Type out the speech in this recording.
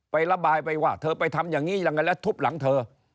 ไประบายไปว่าเธอไปทำอย่างนี้ยังไงแล้วทุบหลังเธอ